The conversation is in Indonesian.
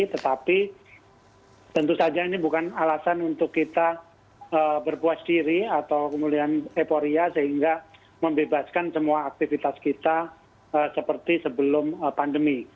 tetapi tentu saja ini bukan alasan untuk kita berpuas diri atau kemudian eporia sehingga membebaskan semua aktivitas kita seperti sebelum pandemi